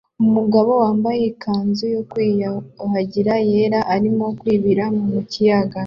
Umugabo wambaye ikanzu yo kwiyuhagira yera arimo kwibira mu kiyaga